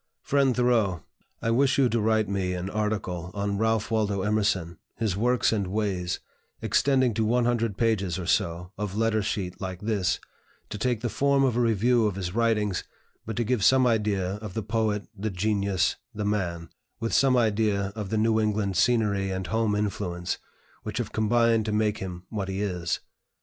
"FRIEND THOREAU, I wish you to write me an article on Ralph Waldo Emerson, his Works and Ways, extending to one hundred pages, or so, of letter sheet like this, to take the form of a review of his writings, but to give some idea of the Poet, the Genius, the Man, with some idea of the New England scenery and home influence, which have combined to make him what he is.